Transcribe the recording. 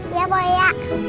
iya boleh ya